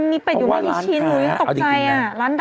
มีเป็ดอยู่รวมกี่ชิ้นตกใจอ่ะ